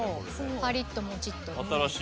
パリッともちっと。